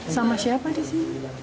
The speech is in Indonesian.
sama siapa di sini